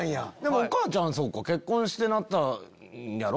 お母ちゃん結婚してなったんやろ？